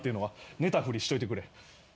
寝たふりしといてくれ。